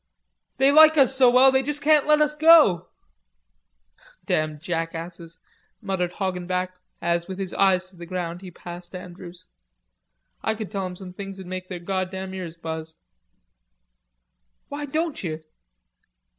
"They like us so well they just can't let us go." "Damn jackasses," muttered Hoggenback, as, with his eyes to the ground, he passed Andrews. "I could tell 'em some things'd make their goddam ears buzz." "Why don't you?"